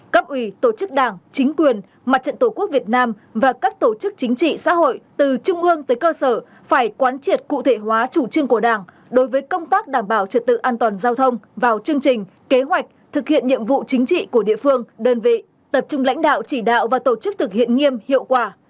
cấp ủy tổ chức đảng chính quyền mặt trận tổ quốc việt nam và các tổ chức chính trị xã hội từ trung ương tới cơ sở phải quán triệt cụ thể hóa chủ trương của đảng đối với công tác đảm bảo trật tự an toàn giao thông vào chương trình kế hoạch thực hiện nhiệm vụ chính trị của địa phương đơn vị tập trung lãnh đạo chỉ đạo và tổ chức thực hiện nghiêm hiệu quả